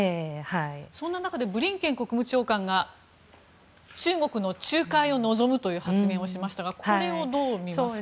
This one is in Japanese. そんな中でブリンケン国務長官が中国の仲介を望むという発言をしましたがこれはどうみますか？